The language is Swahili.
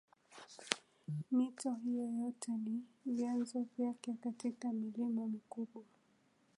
Mito hiyo yote ina vyanzo vyake katika milima mikubwa